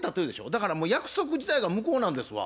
だからもう約束自体が無効なんですわ。